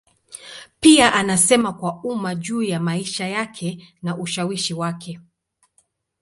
Pia anasema kwa umma juu ya maisha yake na ushawishi wake.